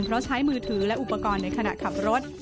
เพราะใช้มือถือและอุปกรณ์ในขณะขับรถ